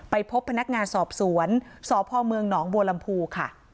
ไปพบพนักงานสอบสวนสพมหนบัวลำพูค่ะ